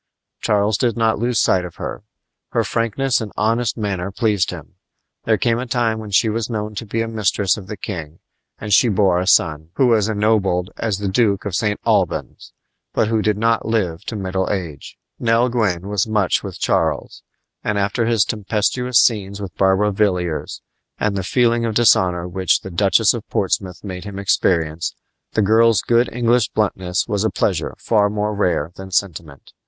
Charles did not lose sight of her. Her frankness and honest manner pleased him. There came a time when she was known to be a mistress of the king, and she bore a son, who was ennobled as the Duke of St. Albans, but who did not live to middle age. Nell Gwyn was much with Charles; and after his tempestuous scenes with Barbara Villiers, and the feeling of dishonor which the Duchess of Portsmouth made him experience, the girl's good English bluntness was a pleasure far more rare than sentiment.